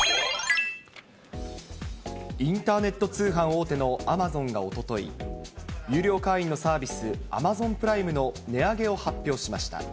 インターネット通販大手のアマゾンがおととい、有料会員のサービス、アマゾンプライムの値上げを発表しました。